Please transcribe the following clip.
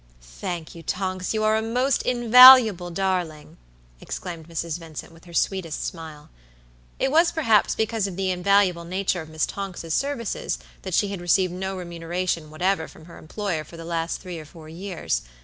"Thank you, Tonks; you are a most invaluable darling," exclaimed Mrs. Vincent, with her sweetest smile. It was, perhaps, because of the invaluable nature of Miss Tonks' services that she had received no remuneration whatever from her employer for the last three or four years.